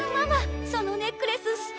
そのネックレスすてき！